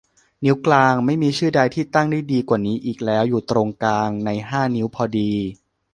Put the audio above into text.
นิ้วกลาง ไม่มีชื่อใดที่ตั้งได้ดีกว่านี้อีกแล้ว อยู่ตรงกลางในห้านิ้วพอดี